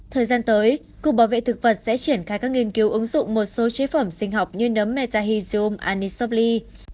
thời gian tới cục bảo vệ thực vật sẽ triển khai các nghiên cứu ứng dụng một số chế phẩm sinh học như nấm metahizum anishopley